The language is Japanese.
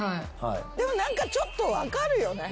でも何かちょっと分かるよね。